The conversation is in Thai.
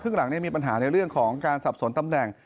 หลังมีปัญหาในเรื่องของการสับสนตำแหน่ง